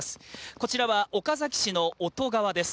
こちらは岡崎市の男川です。